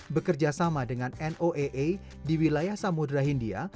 bekerja sama dengan noaa di wilayah samudera hindia